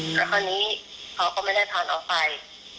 แล้วคราวนี้เขาก็ไม่ได้พาน้องไป